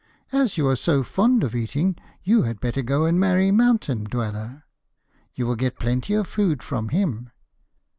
As you are so fond of eating, you had better go and marry Mountain Dweller. You will get plenty of food from him.'